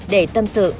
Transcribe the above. để tâm sự